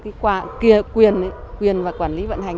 cái quyền và quản lý vận hành